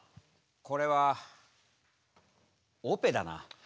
これはオペだな。